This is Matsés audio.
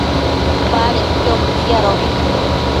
badedquio mëquiadobi